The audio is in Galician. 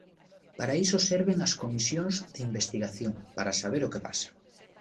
Para iso serven as comisións de investigación, para saber o que pasa.